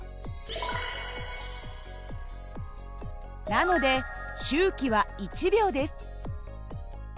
なので周期は１秒です。